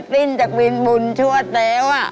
ป้นจากวิญบุญชั่วแสว